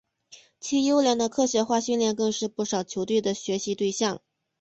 其优良的科学化训练更是不少球队的学习对象。